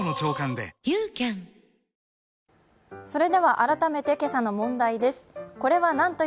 改めて今朝の問題です。